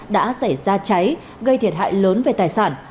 đã xảy ra cháy gây thiệt hại lớn về tài sản